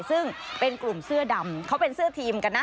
ซึ่งเป็นกลุ่มเสื้อดำเขาเป็นเสื้อทีมกันนะ